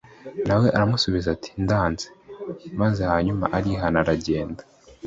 Na we aramusubiza ati ‘Ndanze.’ Maze hanyuma arihana aragenda.